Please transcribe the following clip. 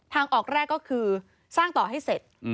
ทางออกแรกก็คือสร้างต่อให้เสร็จ